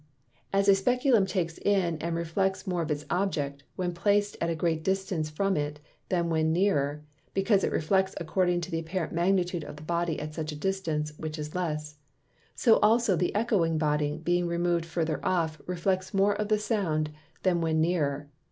As a Speculum takes in and reflects more of its Object, when plac'd at a great distance from it, than when nearer; because it reflects according to the apparent Magnitude of the Body at such a distance, which is less: So also the Ecchoing Body, being remov'd farther off, reflects more of the Sound, than when nearer.